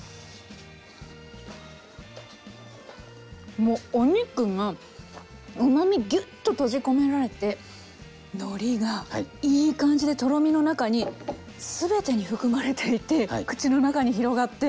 もうお肉がうまみぎゅっと閉じ込められてのりがいい感じでとろみの中に全てに含まれていて口の中に広がって。